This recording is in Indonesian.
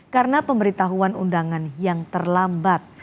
karena pemberitahuan undangan yang terlambat